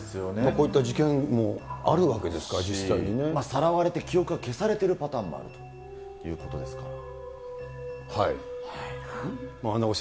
こういった事件もあるわけですかさらわれて記憶が消されてるパターンもあるということですから。